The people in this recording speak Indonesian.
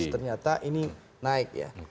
ternyata ini naik ya